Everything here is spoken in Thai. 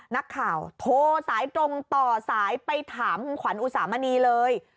นักข่าวโทรสายตรงต่อสายไปถามคุณขวัญอุสามณีเลย